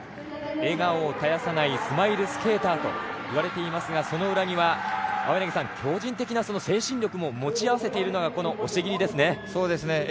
笑顔を絶やさないスマイルスケーターと言われていますがその裏には、超人的な精神力を持ち合わせているのがこの押切ですね。